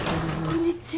・こんにちは。